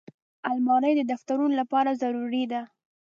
الماري د دفترونو لپاره ضروري ده